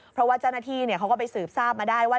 เพราะว่าเจ้าหน้าที่เขาก็ไปสืบทราบมาได้ว่า